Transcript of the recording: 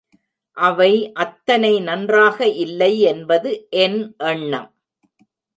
அவை அத்தனை நன்றாக இல்லை என்பது என் எண்ணம்.